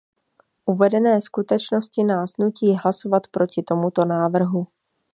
Uvedené skutečnosti nás nutí hlasovat proti tomuto návrhu.